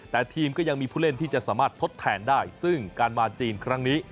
แต่ทีมก็ยังมีผู้เล่นที่จะสามารถทดแทนได้ซึ่งการมาจีนครั้งนี้